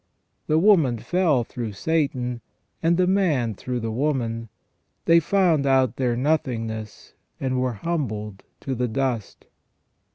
The woman fell through Satan, and the man through the woman ; they found out their nothing ness, and were humbled to the dust.